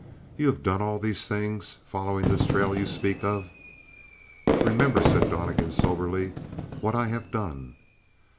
"You have done all these things following this trail you speak of?" "Remember," said Donnegan soberly. "What have I done?"